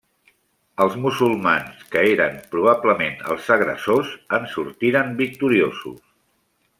Els musulmans, que eren probablement els agressors, en sortiren victoriosos.